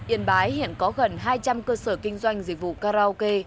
yên bái hiện có gần hai trăm linh cơ sở kinh doanh dịch vụ karaoke